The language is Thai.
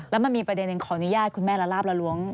แล้วมันมีประเด็นหนึ่งขออนุญาตคุณแม่ละลาบละล้วง